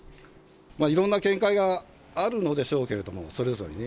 いろんな見解があるのでしょうけれども、それぞれにね。